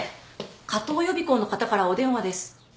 加藤予備校の方からお電話です。